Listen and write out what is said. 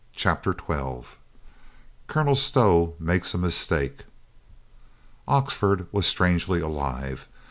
CHAPTER TWELVE COLONEL STOW MAKES A MISTAKE /'^XFORD was strangely alive.